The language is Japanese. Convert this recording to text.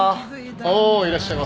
おおいらっしゃいませ。